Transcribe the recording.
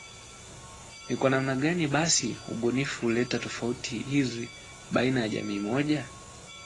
Ni kwa namna gani basi ubunifu huleta tofauti hizi baina ya jamii moja